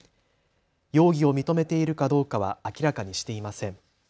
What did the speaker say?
容疑を認めているかどうかは明らかにしていません。